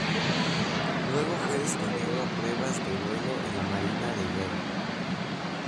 Luego fue destinado a pruebas de vuelo en la Marina de Guerra.